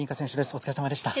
お疲れさまでした。